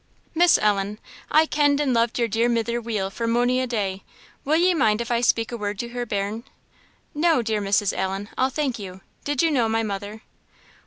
"Miss Ellen, I kenned and loved your dear mither weel for mony a day will ye mind if I speak a word to her bairn?" "No, dear Mrs. Allen, I'll thank you. Did you know my mother?"